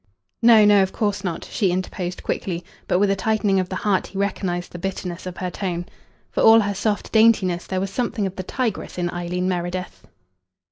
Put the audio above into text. "No, no, of course not," she interposed quickly, but with a tightening of the heart he recognised the bitterness of her tone. For all her soft daintiness, there was something of the tigress in Eileen Meredith.